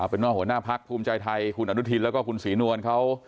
เป็นหัวหน้าพักภูมิใจไทย